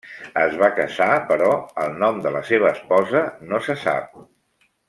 Es va casar però el nom de la seva esposa no se sap.